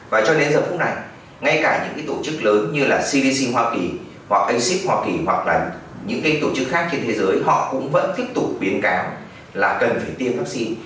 và cho đến giờ phút này ngay cả những cái tổ chức lớn như là cdc hoa kỳ hoặc ec hoa kỳ hoặc là những cái tổ chức khác trên thế giới họ cũng vẫn tiếp tục khuyến cáo là cần phải tiêm vaccine